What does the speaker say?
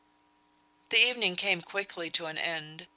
The evening came quickly to an end.